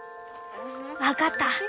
分かった。